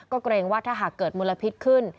ก็เกรงว่าถ้าหากเกิดมลพิษขึ้น